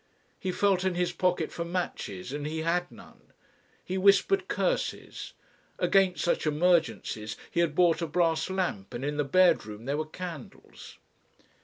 He felt in his pocket for matches and he had none. He whispered curses. Against such emergencies he had bought a brass lamp and in the bedroom there were candles.